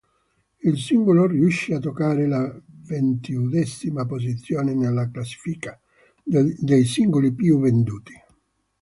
Il singolo riuscì a toccare la ventiduesima posizione nella classifica dei singoli più venduti.